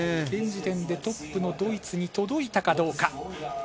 現時点でトップのドイツに届いたかどうか。